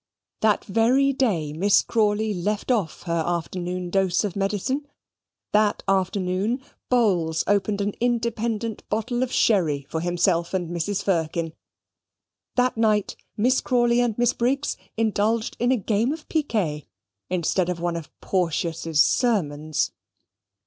That very day Miss Crawley left off her afternoon dose of medicine: that afternoon Bowls opened an independent bottle of sherry for himself and Mrs. Firkin: that night Miss Crawley and Miss Briggs indulged in a game of piquet instead of one of Porteus's sermons.